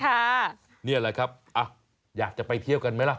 นี่แหละครับอยากจะไปเที่ยวกันไหมล่ะ